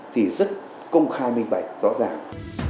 thì rất công khai minh bạch rõ ràng